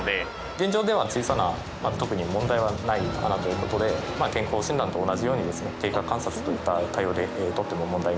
現状では小さな特に問題はない穴という事で健康診断と同じようにですね経過観察といった対応で取っても問題ないと考えております。